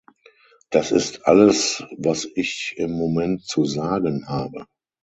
Das ist alles, was ich im Moment zu sagen habe.